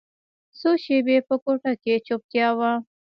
څو شېبې په کوټه کښې چوپتيا وه.